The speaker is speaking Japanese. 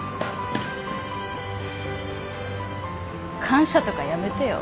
感謝とかやめてよ。